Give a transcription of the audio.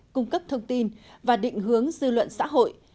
cung cấp thông tin và định hướng dư luận xã hội